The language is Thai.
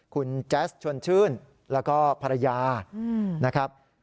คุณแจ๊สชวนชื่นแล้วก็ภรรยานะครับ